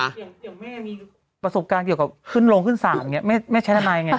แม่มีประสบการณ์ขี้กับขึ้นโรงขึ้นศาลแม่ใช้แทนายยังไง